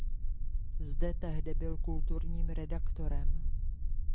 Zde tehdy byl kulturním redaktorem.